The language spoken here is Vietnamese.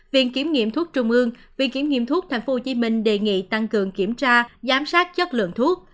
viện kiểm nghiệm thuốc trung ương viện kiểm nghiệm thuốc tp hcm đề nghị tăng cường kiểm tra giám sát chất lượng thuốc